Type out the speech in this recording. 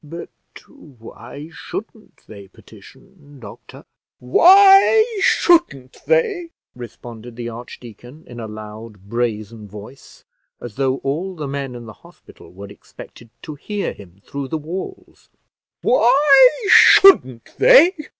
"But why shouldn't they petition, doctor?" "Why shouldn't they!" responded the archdeacon, in a loud brazen voice, as though all the men in the hospital were expected to hear him through the walls; "why shouldn't they?